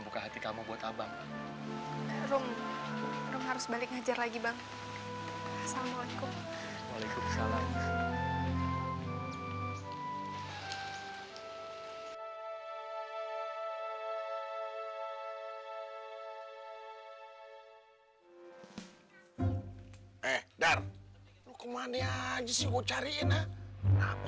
lu kayak dedemit udah lo